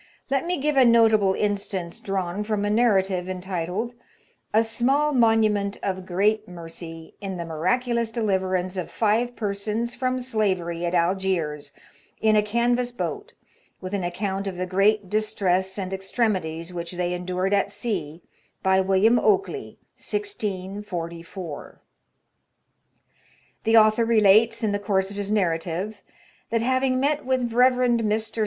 Let me give a notable instance drawn from a narrative entitled '* A small monument of great mercy, in the miraculous deliverance of five persons from slavery at Algiers in a canvas boat, with an account of the great distress and extremities which they endured at sea, by William Okeley, 1644." The author relates, in the course of his narrative, that having met with a Rev. Mr.